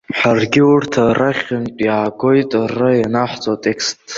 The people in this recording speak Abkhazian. Ҳаргьы урҭ рахьынтә иаагоит ара ианаҳҵо атекст.